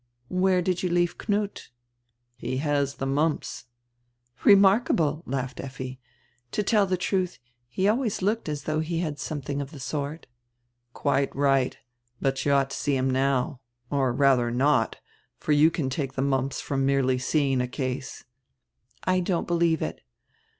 "Where did you leave Knut?" "He has die mumps." "Remarkable." laughed Effi. "To tell die truth, he always looked as though he bad some tiling of the sort." "Quite right. But you ought to see him now. Or rather not, for you can take the mumps from merely seeing a case." "I don't believe it."